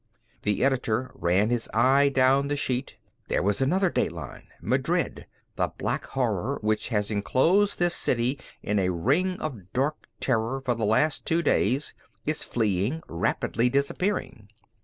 The editor ran his eye down the sheet. There was another dateline: "Madrid The Black Horror, which has enclosed this city in a ring of dark terror for the last two days, is fleeing, rapidly disappearing...."